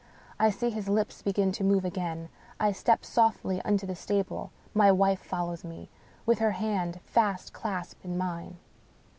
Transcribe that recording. I see his lips begin to move again; I step softly into the stable; my wife fol lows me, with her hand fast clasped in mine.